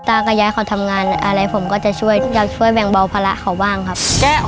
ตากับยายเขาทำงานอะไรผมก็จะช่วยอยากช่วยแบ่งเบาภาระเขาบ้างครับ